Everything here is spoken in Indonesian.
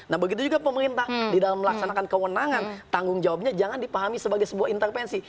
nah begitu juga pemerintah di dalam melaksanakan kewenangan tanggung jawabnya jangan dipahami sebagai sebuah intervensi